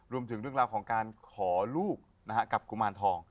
เรื่องราวของการขอลูกกับกุมารทอง